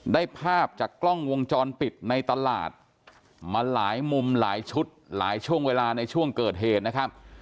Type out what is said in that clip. ได้ภาพจากกล้องวงจรปิดในตลาดมาหลายมุมหลายชุดหลายช่วงเวลาในช่วงเกิดเหตุนะครับ